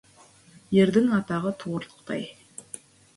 Ердің атағы туырлықтай.